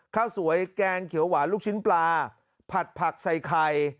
ข้าวสวยแกงเขียวหวานลูกชิ้นปลาผัดผักใส่ไข่